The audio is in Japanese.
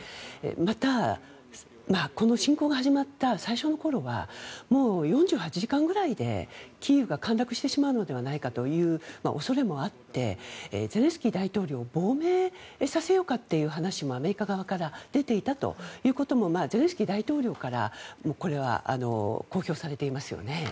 また、この侵攻が始まった最初の頃はもう４８時間ぐらいでキーウが陥落してしまうのではないかという恐れもあってゼレンスキー大統領を亡命させようかという話もアメリカ側から出ていたということもゼレンスキー大統領からこれは公表されていますよね。